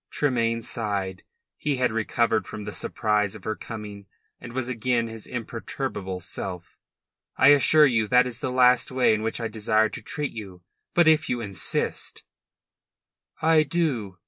Tremayne sighed. He had recovered from the surprise of her coming and was again his imperturbable self. "I assure you that is the last way in which I desire to treat you. But if you insist " "I do."